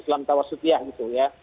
islam tawas sutyah gitu ya